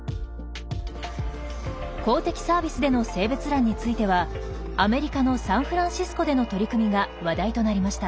公的サービスでの性別欄についてはアメリカのサンフランシスコでの取り組みが話題となりました。